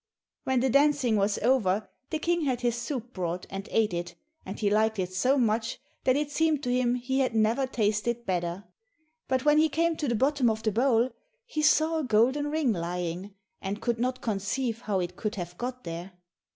When the dancing was over, the King had his soup brought and ate it, and he liked it so much that it seemed to him he had never tasted better. But when he came to the bottom of the bowl, he saw a golden ring lying, and could not conceive how it could have got there.